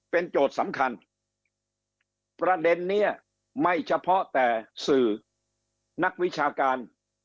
เป็นโจทย์สำคัญประเด็นนี้ไม่เฉพาะแต่สื่อนักวิชาการ